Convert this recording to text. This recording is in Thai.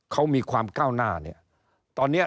เขามีความก้าวหน้าเนี่ย